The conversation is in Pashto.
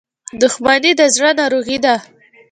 • دښمني د زړه ناروغي ده.